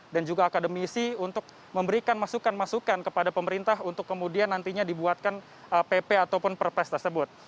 dan juga akademisi untuk memberikan masukan masukan kepada pemerintah untuk kemudian nantinya dibuatkan pp ataupun perpes tersebut